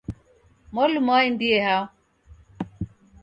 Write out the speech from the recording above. Mwaluma waendie hao?